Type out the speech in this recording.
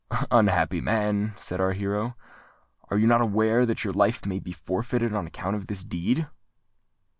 "Unhappy man," said our hero, "are you not aware that your life may be forfeited on account of this deed?"